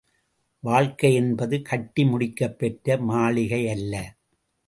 வாழ்க்கையென்பது கட்டி முடிக்கப் பெற்ற மாளிகையல்ல.